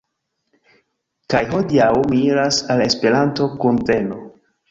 Kaj hodiaŭ mi iras al Esperanto-kuveno.